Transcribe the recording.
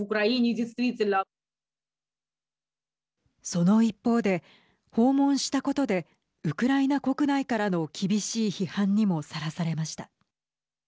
その一方で訪問したことでウクライナ国内からの厳しい批判にもさらされました。